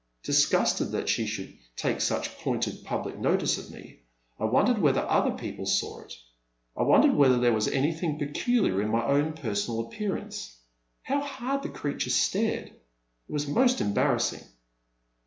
Disgusted that she should take such pointed public notice of me, I wondered whether other people saw it ; I wondered whether there was an3rthing peculiar in my own personal appear ance. How hard the creature stared. It was most embarrassing.